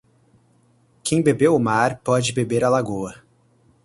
Quem bebeu o mar pode beber a lagoa.